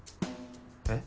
えっ？